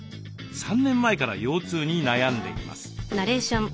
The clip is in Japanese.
３年前から腰痛に悩んでいます。